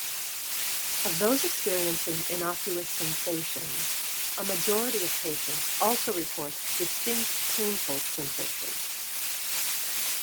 Of those experiencing innocuous sensations, a majority of patients also report distinct painful sensations.